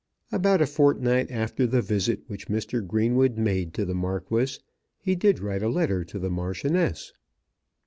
About a fortnight after the visit which Mr. Greenwood made to the Marquis he did write a letter to the Marchioness.